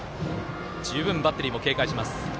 十分、バッテリーも警戒します。